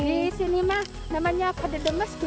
di sini mah namanya kade demes gitu ya